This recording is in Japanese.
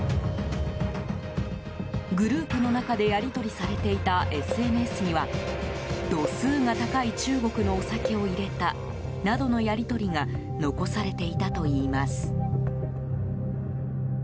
グループの中でやり取りされていたＳＮＳには度数が高い中国のお酒を入れたなどのやり取りが残されていたといいます。